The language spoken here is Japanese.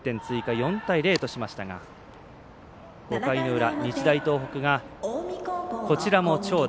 ４対０としましたが５回の裏、日大東北がこちらも長打。